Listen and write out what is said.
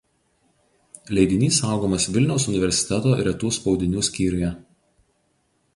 Leidinys saugomas Vilniaus universiteto Retų spaudinių skyriuje.